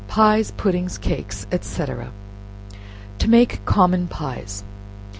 PIES, PUDDINGS, CAKES, &c. To Make Common Pies.